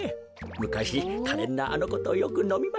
むかしかれんなあのことよくのみました。